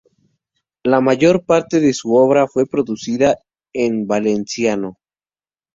La mayor parte de su obra fue producida en valenciano.